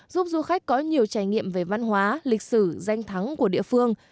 giúp du khách có nhiều trải nghiệm về văn hóa lịch sử danh thắng của địa phương